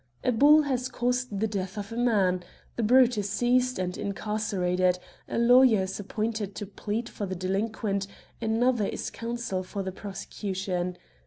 A bull has caused the death of a man. The brute is seized and incarcer ated ; a lawyer is appointed to plead for the delinquent ; another is counsel for the prosecution.